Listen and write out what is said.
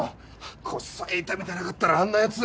腰さえ痛めてなかったらあんなヤツ。